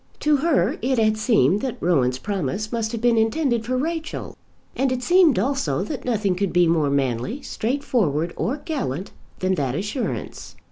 To her it had seemed that Rowan's promise must have been intended for Rachel, and it seemed also that nothing could be more manly, straightforward, or gallant than that assurance.